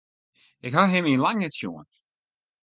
Ik haw him yn lang net sjoen.